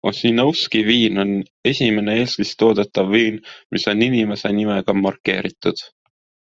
Ossinovsky viin on esimene Eestis toodetav viin, mis on inimese nimega markeeritud.